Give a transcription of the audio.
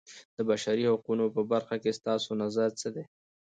د بشري حقونو په برخه کې ستاسو نظر څه دی.